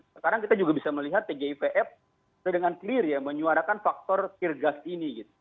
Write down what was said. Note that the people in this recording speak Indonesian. sekarang kita juga bisa melihat tgipf dengan clear ya menyuarakan faktor kirgas ini